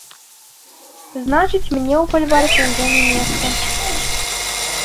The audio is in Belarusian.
Значыць, мне ў фальварку ўжо не месца.